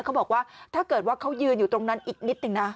เขาบอกว่าถ้าเกิดว่าเขายืนอยู่ตรงนั้นอีกนิดนึงนะ